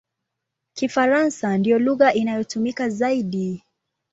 Kifaransa ndiyo lugha inayotumika zaidi.